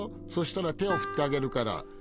そしたら手を振ってあげるから。